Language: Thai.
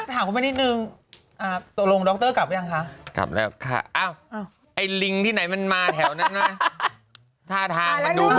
ถามเมื่อนิดหนึ่งตัวรงด๊อกเตอร์กลับหรือยังค่ะอ้าวไอลิงที่ไหนมันมาแถวนั้นไหม